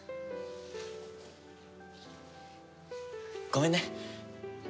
ごめんね。